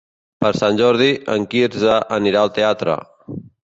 Per Sant Jordi en Quirze anirà al teatre.